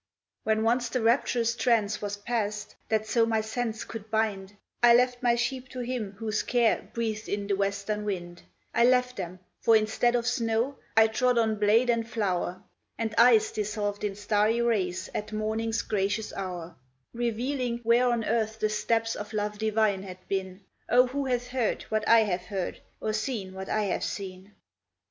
When once the rapturous trance was past, that so my sense could bind, I left my sheep to Him whose care breathed in the western wind: I left them, for instead of snow, I trod on blade and flower, And ice dissolved in starry rays at morning's gracious hour, Revealing where on earth the steps of Love Divine had been: O, who hath heard what I have heard, or seen what I have seen?